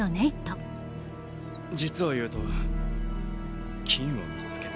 実を言うと金を見つけた。